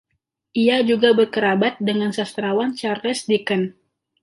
Ia juga berkerabat dengan sastrawan Charles Dickens.